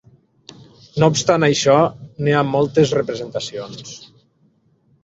No obstant això, n'hi ha moltes representacions.